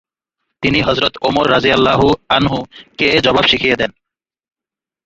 তিনি হযরত ওমর রাযিয়াল্লাহু আনহু-কে জবাব শিখিয়ে দেন।